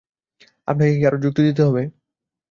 আপনাকে কি আরো যুক্তি দিতে হবে?